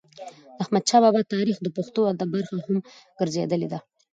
د احمدشا بابا تاریخ د پښتو ادب برخه هم ګرځېدلې ده.